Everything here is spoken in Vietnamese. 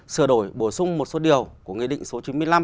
sửa đổi bổ sung một số điều của nghị định số chín mươi năm